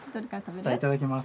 じゃあいただきます。